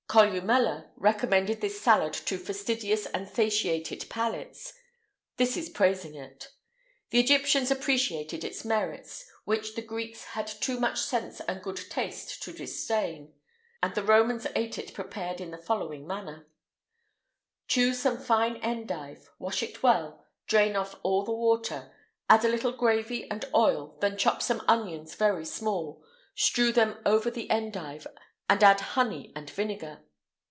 Columella recommended this salad to fastidious and satiated palates;[IX 139] this is praising it. The Egyptians appreciated its merits,[IX 140] which the Greeks had too much sense and good taste to disdain; and the Romans ate it prepared in the following manner: Choose some fine endive; wash it well; drain off all the water; add a little gravy and oil; then chop some onions very small; strew them over the endive, and add honey and vinegar.